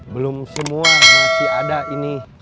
belum semua masih ada ini